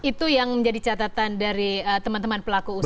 itu yang menjadi catatan dari teman teman pelaku usaha